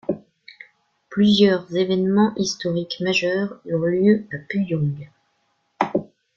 Plusieurs événements historiques majeurs eurent lieu à Puyang.